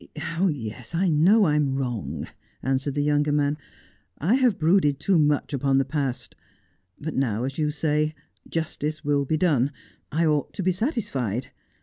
' Yes, I know I am wrong,' answered the younger man. ' I have brooded too much upon the past. But now, as you say, justice will be done. I ought to be satisfied.